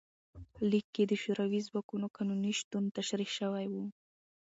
لیک کې د شوروي ځواکونو قانوني شتون تشریح شوی و.